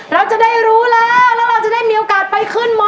เราจะได้รู้แล้วแล้วเราจะได้มีโอกาสไปขึ้นม๔